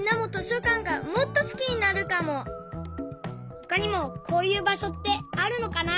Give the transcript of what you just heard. ほかにもこういうばしょってあるのかな？